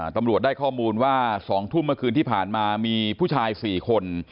ตำรวจได้ข้อมูลว่า๒ทุ่มเมื่อคืนที่ผ่านมามีผู้ชาย๔คน